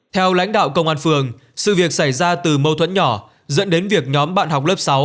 theo lãnh đạo công an phường sự việc xảy ra từ mâu thuẫn nhỏ dẫn đến việc nhóm bạn học lớp sáu